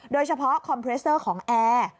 โดยเฉพาะคอมเพรสเซอร์ของแอร์